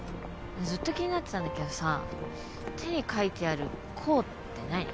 ずっと気になってたんだけどさ手に書いてある「公」って何？